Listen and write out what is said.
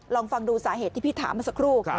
ลองฟังดูสาเหตุที่พี่ถามมาสักครู่